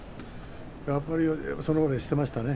やっぱりそのようにしてましたね。